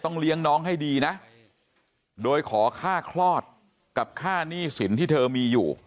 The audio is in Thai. เลี้ยงน้องให้ดีนะโดยขอค่าคลอดกับค่าหนี้สินที่เธอมีอยู่